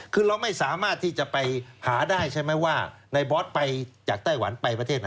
คือเราไม่สามารถที่จะไปหาได้ใช่ไหมว่าในบอสไปจากไต้หวันไปประเทศไหน